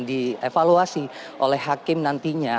dievaluasi oleh hakim nantinya